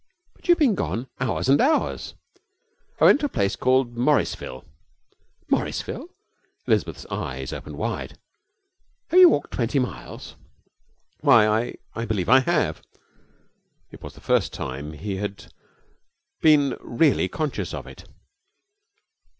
'But you've been gone hours and hours.' 'I went to a place called Morrisville.' 'Morrisville!' Elizabeth's eyes opened wide. 'Have you walked twenty miles?' 'Why, I I believe I have.' It was the first time he had been really conscious of it.